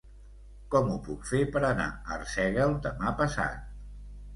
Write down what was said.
Com ho puc fer per anar a Arsèguel demà passat?